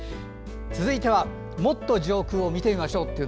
続いてはもっと上空を見てみましょう。